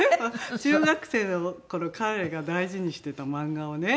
中学生の頃彼が大事にしてた漫画をね